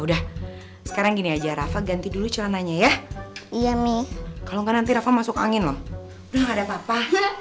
udah sekarang gini aja rafa ganti dulu celananya ya iya nih kalau nanti masuk angin lho ada apa